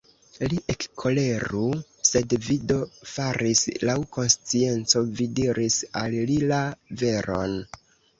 Li ekkoleru, sed vi do faris laŭ konscienco, vi diris al li la veron!